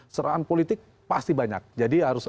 serangan politik pasti banyak jadi harus